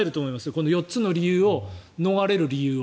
この４つの理由を逃れる理由を。